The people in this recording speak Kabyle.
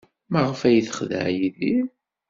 Maɣef ay texdeɛ Yidir?